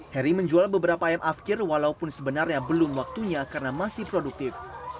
heri menjual beberapa ayam afkir walaupun sebenarnya belum waktunya karena masih produktif